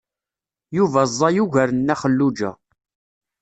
Yuba ẓẓay ugar n Nna Xelluǧa.